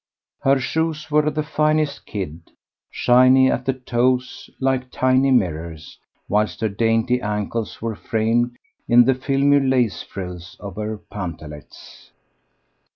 Her shoes were of the finest kid, shiny at the toes like tiny mirrors, whilst her dainty ankles were framed in the filmy lace frills of her pantalets.